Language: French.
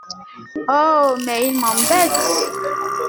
Oh ! mais, il m’embête…